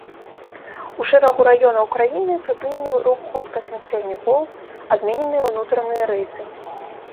У шэрагу раёнаў краіны прыпынены рух хуткасных цягнікоў, адмененыя ўнутраныя рэйсы.